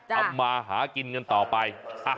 ทำมาหากินกันต่อไป